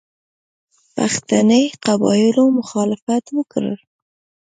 پښتني قبایلو مخالفت وکړ.